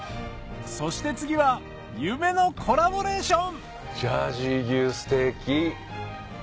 そして次は夢のコラボレーション！